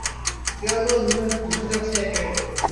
দেয়ালগুলো ধ্বসে যাচ্ছে একে একে।